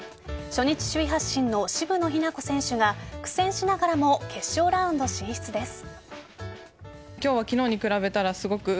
初日首位発進の渋野日向子選手が苦戦しながらも決勝ラウンド進出です。